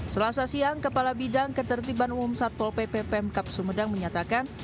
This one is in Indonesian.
selasa siang kepala bidang ketertiban umum satpol pp pemkap sumedang menyatakan